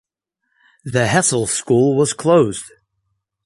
The Hessel School was closed.